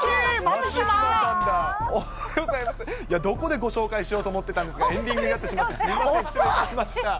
どこでご紹介しようかと思ってたんですが、エンディングになってしまって失礼しました。